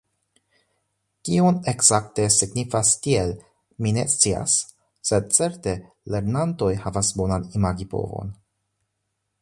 Kion ekzakte signifas 'tiel', mi ne scias, sed certe lernantoj havas bonan imagipovon.